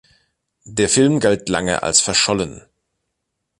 Der Film galt lange als verschollen.